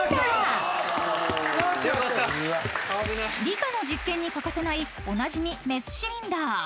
［理科の実験に欠かせないおなじみメスシリンダー］